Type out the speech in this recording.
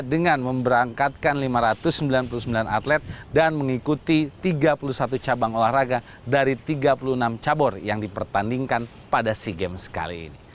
dengan memberangkatkan lima ratus sembilan puluh sembilan atlet dan mengikuti tiga puluh satu cabang olahraga dari tiga puluh enam cabur yang dipertandingkan pada sea games kali ini